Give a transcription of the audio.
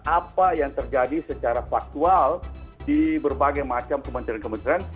apa yang terjadi secara faktual di berbagai macam kementerian kementerian